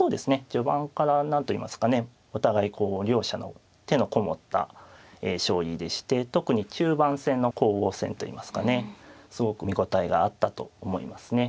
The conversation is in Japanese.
序盤から何といいますかねお互いこう両者の手のこもった将棋でして特に中盤戦の攻防戦といいますかねすごく見応えがあったと思いますね。